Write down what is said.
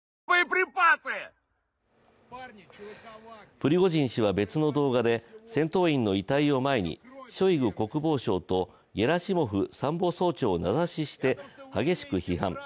プリゴジン氏は別の動画で戦闘員の遺体を前にショイグ国防相とゲラシモフ参謀総長を名指しして激しく批判。